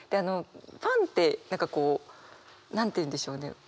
ファンって何かこう何て言うんでしょうね？